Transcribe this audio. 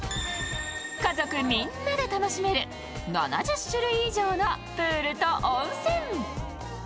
家族みんなで楽しめる７０種類以上のプールと温泉。